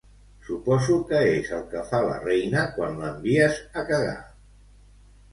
Suposo que és el que fa la Reina quan l'envies a cagar.